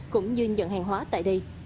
cũng như nhận hàng hóa tại đây